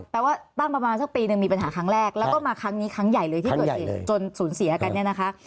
แปลว่าตั้งประมาณสักปีหนึ่งมีปัญหาครั้งแรกแล้วก็มาครั้งนี้ครั้งใหญ่เลยที่เกิดเหตุจนสูญเสียกันเนี่ยนะคะ